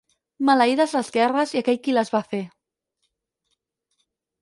Maleïdes les guerres i aquell qui les va fer.